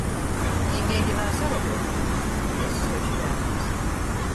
Jī mieginuoja salobuot, es suoču vērtīs.